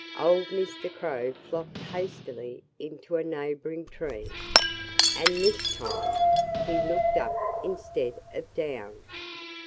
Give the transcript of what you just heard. Old Mr. Crow flopped hastily into a neighboring tree. And this time he looked up instead of down.